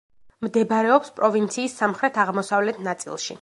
მდებარეობს პროვინციის სამხრეთ-აღმოსავლეთ ნაწილში.